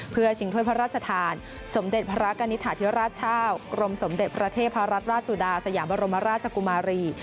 เพื่อชิงถ้วยพระราชทานสมเด็จพระกันิษฐะที่ราชชาวกรมสมเด็จประเทศพระราชราชสุดาสยามรมราชกุมารี